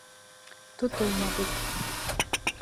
— Тотолмабыҙ.